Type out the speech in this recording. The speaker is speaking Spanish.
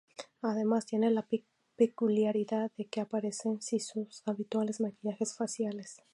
Además tiene la peculiaridad de que aparecen sin sus habituales maquillajes faciales.